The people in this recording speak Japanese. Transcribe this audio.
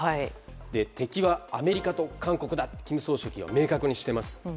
敵はアメリカと韓国だと金総書記は明確にしています。